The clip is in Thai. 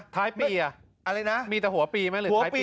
ท้ายปีอ่ะอะไรนะมีแต่หัวปีไหมหรือท้ายปี